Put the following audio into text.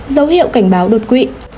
dấu hiệu cảnh báo đột quỵ